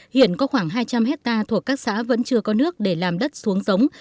hiện có khoảng hai trăm linh hectare thuộc các xã vẫn chưa có nước để làm đất xuống giống